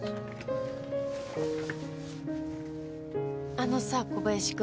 あのさ小林君。